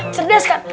gimana cerdas kan